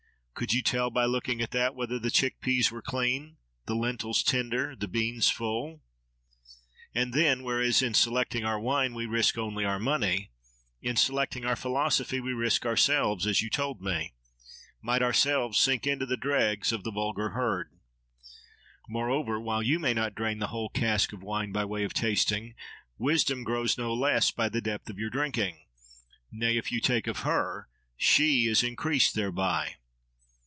Could you tell by looking at that, whether the chick peas were clean, the lentils tender, the beans full? And then, whereas in selecting our wine we risk only our money; in selecting our philosophy we risk ourselves, as you told me—might ourselves sink into the dregs of 'the vulgar herd.' Moreover, while you may not drain the whole cask of wine by way of tasting, Wisdom grows no less by the depth of your drinking. Nay! if you take of her, she is increased thereby.